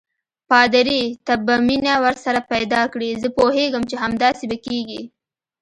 پادري: ته به مینه ورسره پیدا کړې، زه پوهېږم چې همداسې به کېږي.